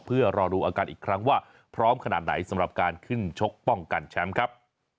เพื่อรอดูอาการอีกครั้งว่าพร้อมขนาดไหนสำหรับการขึ้นชกป้องกันแชมป์ครับ